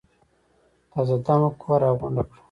تازه دمه قوه راغونډه کړه.